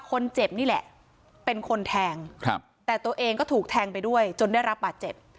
คนเจ็บนี่แหละเป็นคนแทงครับแต่ตัวเองก็ถูกแทงไปด้วยจนได้รับบาดเจ็บ